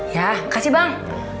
ya kasih bang